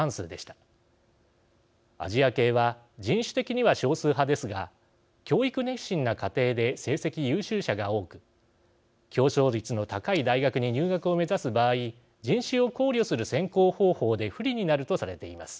アジア系は人種的には少数派ですが教育熱心な家庭で成績優秀者が多く競争率の高い大学に入学を目指す場合人種を考慮する選考方法で不利になるとされています。